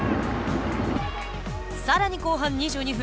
さらに後半２２分。